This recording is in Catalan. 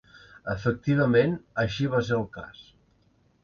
Efectivament així va ser el cas.